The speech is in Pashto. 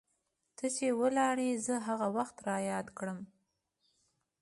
ته چې ولاړي زه هغه وخت رایاد کړم